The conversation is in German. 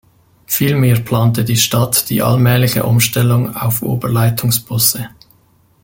Vielmehr plante die Stadt die allmähliche Umstellung auf Oberleitungsbusse.